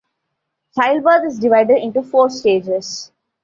Childbirth is divided into four stages.